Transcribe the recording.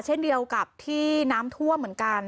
เช่นเดียวกับที่น้ำท่วมเหมือนกัน